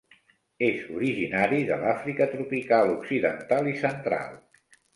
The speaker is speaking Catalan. És originari de l'Àfrica tropical occidental i central.